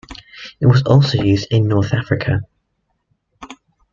It was also used in North Africa.